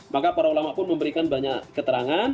maka para ulama pun memberikan banyak keterangan